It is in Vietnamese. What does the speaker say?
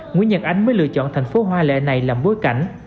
nguyễn nhật ánh mới lựa chọn thành phố hoa lệ này làm bối cảnh